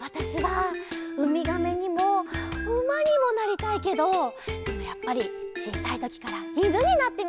わたしはうみがめにもうまにもなりたいけどでもやっぱりちいさいときからいぬになってみたかったかな。